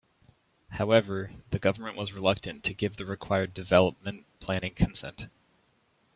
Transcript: However, the government was reluctant to give the required development planning consent.